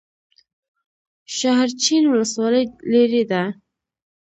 شاحرچین ولسوالۍ لیرې ده؟